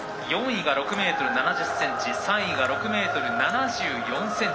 ４位が６ｍ７０ｃｍ３位が６ｍ７４ｃｍ。